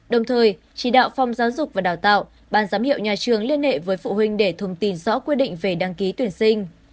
đồng thời chỉ đạo phòng giáo dục và đào tạo ban giám hiệu nhà trường liên hệ với phụ huynh để thông tin rõ quy định về đăng ký tuyển sinh